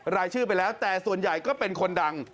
รายชื่อไปแล้วแต่ส่วนใหญ่ก็เป็นคนดัง